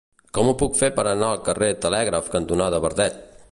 Com ho puc fer per anar al carrer Telègraf cantonada Verdet?